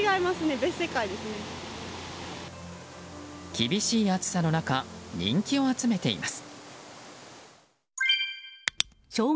厳しい暑さの中人気を集めています。